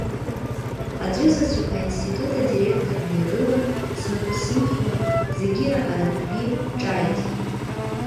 Аӡәызаҵәык аинститут адиректор дҩагылан, снапы сымхуа, зегьы ираҳаратәгьы ҿааиҭит…